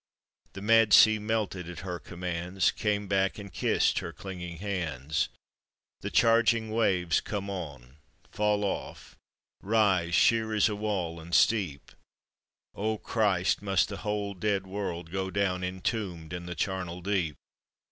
" The mad sea melted at her command*. Came back and kissed her clinging hand*. The charging wave* come on, fall off, Rise, sheer as a wall, and steep— O Christ, must the whole dead world go down, Entombed in the rharncl deep?